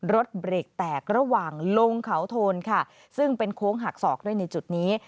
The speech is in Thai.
รถเบรกแตกระหว่างลงเขาโทนค่ะซึ่งเป็นโค้งหักศอกด้วยในจุดนี้